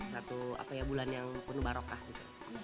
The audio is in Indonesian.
satu apa ya bulan yang penuh barokah gitu